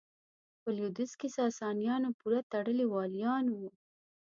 په لوېدیځ کې ساسانیانو پوره تړلي والیان وو.